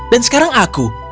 dan sekarang aku